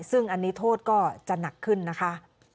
ซึ่งอันนี้โทษก็จะหนักขึ้นนะคะ